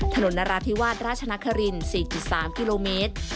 นราธิวาสราชนคริน๔๓กิโลเมตร